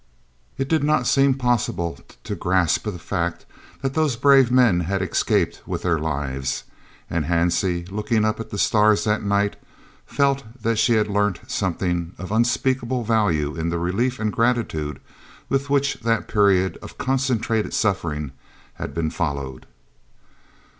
It did not seem possible to grasp the fact that those brave men had escaped with their lives, and Hansie, looking up at the stars that night, felt that she had learnt something of unspeakable value in the relief and gratitude with which that period of concentrated suffering had been followed.